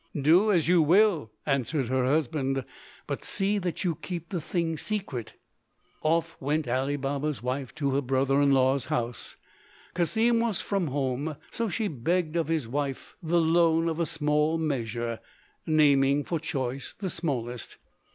"Do as you will," answered her husband, "but see that you keep the thing secret." Off went Ali Baba's wife to her brother in law's house. Cassim was from home, so she begged of his wife the loan of a small measure, naming for choice the smallest.